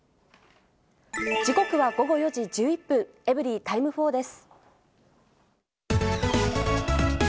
時刻は午後４時１１分、エブリィタイム４です。